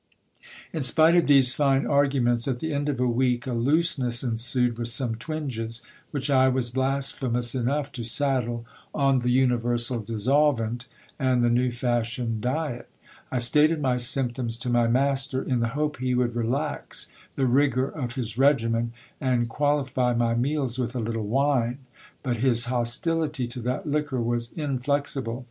In spite of these fine arguments, at the end of a week a looseness ensued, with some twinges^ which I was blasphemous enough to saddle on the universal dissolvent, and the new fashioned diet I stated my symptoms to my master, in the hope he would relax the rigour of his regimen, and qualify my meals with a litde wine, but his hostility to that liquor was inflexible.